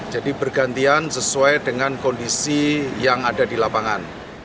jadi bergantian sesuai dengan kondisi yang ada di lapangan